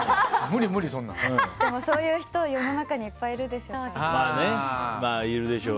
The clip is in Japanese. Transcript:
でも、そういう人は世の中にいっぱいいますよね。